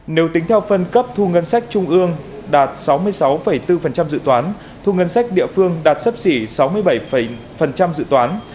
nếu tính theo phân cấp thu ngân sách trung ương đạt sáu mươi sáu bốn dự toán thu ngân sách địa phương đạt sấp xỉ sáu mươi bảy dự toán